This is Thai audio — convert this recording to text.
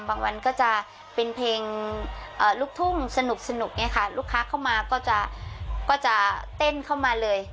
บางวันก็จะเป็นเพลงลุกทุ่งสนุกลูกค้าเข้ามาก็จะเต้นเข้ามาเลย